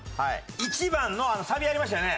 １番のサビありましたよね？